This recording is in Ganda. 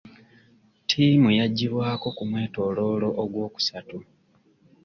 Ttiimu yaggyibwako ku mwetooloolo ogwokusatu.